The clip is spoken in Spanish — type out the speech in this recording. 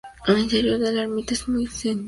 El interior de la ermita es muy sencillo.